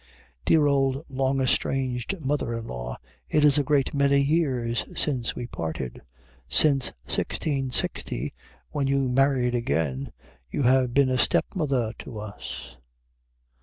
Dear old long estranged mother in law, it is a great many years since we parted. Since 1660, when you married again, you have been a stepmother to us.